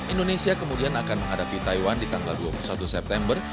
indonesia kemudian akan menghadapi taiwan di tanggal dua puluh satu september